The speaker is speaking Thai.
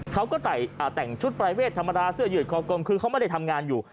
เขาก็แต่งชุดปรายเวทธรรมดาเสื้อยืดคอกลมคือเขาไม่ได้ทำงานอยู่